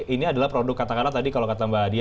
ini adalah produk kata kata tadi kalau kata mbak adia